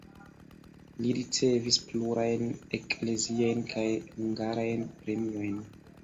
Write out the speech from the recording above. Li ricevis plurajn ekleziajn kaj hungarajn premiojn.